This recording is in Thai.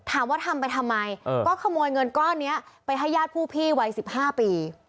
ทำไปทำไมก็ขโมยเงินก้อนนี้ไปให้ญาติผู้พี่วัย๑๕ปี